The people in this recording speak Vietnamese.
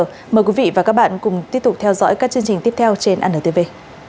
cảm ơn các bạn đã theo dõi và hẹn gặp lại